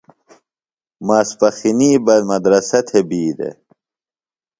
ماسپخِنیۡ بہ مدرسہ تھےۡ بیۡ دےۡ۔